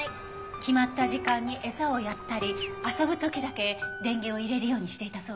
決まった時間に餌をやったり遊ぶ時だけ電源を入れるようにしていたそうよ。